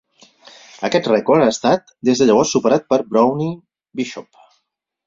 Aquest rècord ha estat, des de llavors, superat per Bronwyn Bishop.